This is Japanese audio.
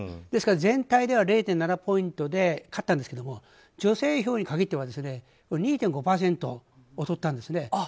ですから、全体では０．７ポイントで勝ったんですけど女性票に限っては２．５％劣ったんですね。